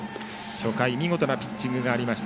初回、見事なピッチングがありました